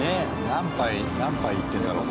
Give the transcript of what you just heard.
何杯何杯いってるんだろう？